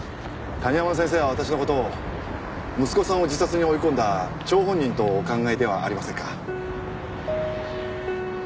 谷浜先生は私の事を息子さんを自殺に追い込んだ張本人とお考えではありませんか？